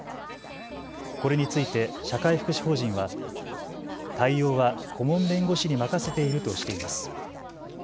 これについて社会福祉法人は対応は顧問弁護士に任せているとしています。